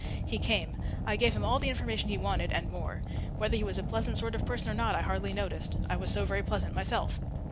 He came. I gave him all the information he wanted, and more. Whether he was a pleasant sort of person or not I hardly noticed; I was so very pleasant myself.